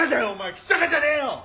橘高じゃねえよ！